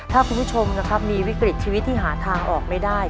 ถ้าคุณผู้ชมนะครับมีวิกฤตชีวิตที่หาทางออกไม่ได้